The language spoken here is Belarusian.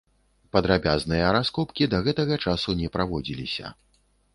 Падрабязныя раскопкі да гэтага часу не праводзіліся.